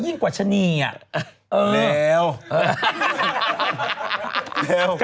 ยิ่งกว่าชะนี่อ่ะ